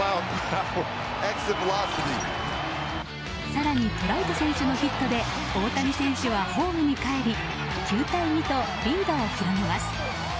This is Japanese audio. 更にトラウト選手のヒットで大谷選手はホームにかえり９対２とリードを広げます。